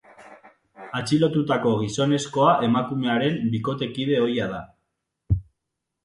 Atxilotutako gizonezkoa emakumearen bikotekide ohia da.